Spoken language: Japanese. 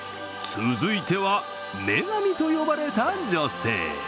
続いては、女神と呼ばれた女性。